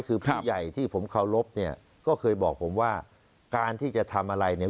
คือผู้ใหญ่ที่ผมเคารพเนี่ยก็เคยบอกผมว่าการที่จะทำอะไรเนี่ย